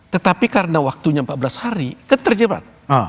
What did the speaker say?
tetapi karena waktunya empat belas hari kan terjebat